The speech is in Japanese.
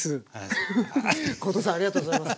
フフッ後藤さんありがとうございます。